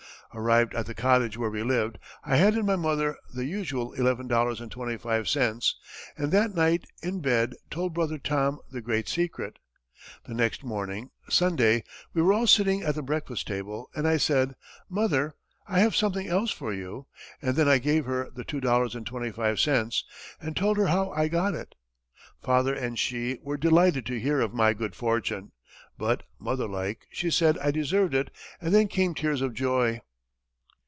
Arrived at the cottage where we lived, I handed my mother the usual $11.25, and that night in bed told brother Tom the great secret. The next morning, Sunday, we were all sitting at the breakfast table, and I said: 'Mother, I have something else for you,' and then I gave her the $2.25, and told her how I got it. Father and she were delighted to hear of my good fortune, but, motherlike, she said I deserved it, and then came tears of joy."